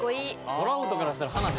トラウトからしたら。